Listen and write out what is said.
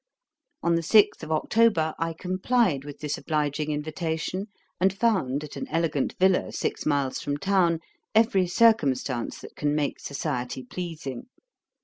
On the 6th of October I complied with this obliging invitation, and found, at an elegant villa, six miles from town, every circumstance that can make society pleasing.